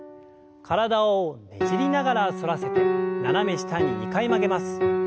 体をねじりながら反らせて斜め下に２回曲げます。